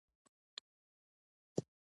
ښېرا: کور دې ډاک شه!